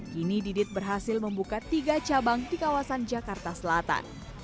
kini didit berhasil membuka tiga cabang di kawasan jakarta selatan